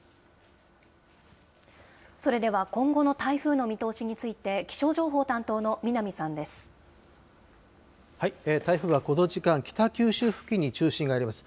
それでは今後の台風の見通しについて、気象情報担当の南さん台風はこの時間、北九州付近に中心があります。